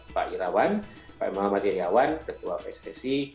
pak irawan pak emah matiayawan ketua pstc